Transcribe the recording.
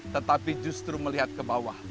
tetapi justru melihat ke bawah